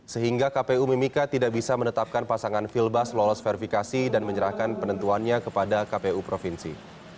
sehingga kpu mimika tidak bisa menetapkan pasangan filbas lolos verifikasi dan menyerahkan penentuannya kepada kpu provinsi